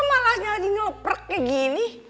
kok malasnya lagi ngeluprek kayak gini